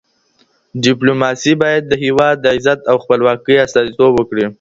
ډیپلوماسي باید د هېواد د عزت او خپلواکۍ استازیتوب وکړي.